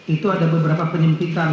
itu ada beberapa penyempitan